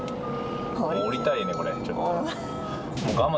降りたいね、これちょっと。